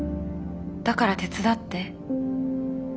だから手伝って。